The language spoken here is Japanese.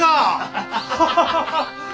ハハハハ！